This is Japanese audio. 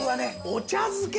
お茶漬け。